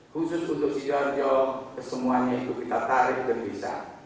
khusus untuk sidoarjo kesemuanya itu kita tarik dan bisa